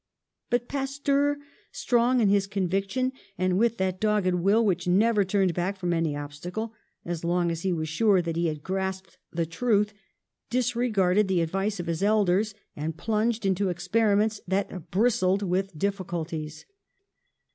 But Pasteur, strong in his conviction and with that dogged will v/hich never turned back from any obstacle, so long as he was sure that he had grasped the truth, disregarded the advice of his elders and plunged into experiments that bristled with dif ficulties.